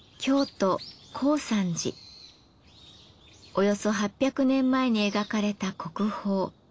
およそ８００年前に描かれた国宝「鳥獣戯画」